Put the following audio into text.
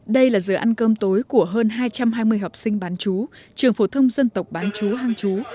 đây là giờ ăn cơm tối của hơn hai trăm hai mươi học sinh bán chú trường phổ thông dân tộc bán chú hàng chú